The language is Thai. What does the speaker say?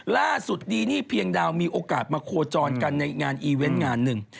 ดีนี่เพียงดาวมีโอกาสมาโคจรกันในงานอีเวนต์งานหนึ่ง